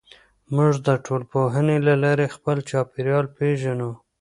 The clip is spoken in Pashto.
موږ د ټولنپوهنې له لارې خپل چاپېریال پېژنو.